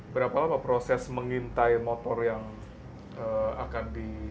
berapa lama proses mengintai motor yang akan di